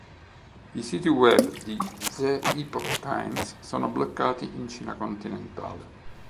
I siti web di "The Epoch Times" sono bloccati in Cina continentale.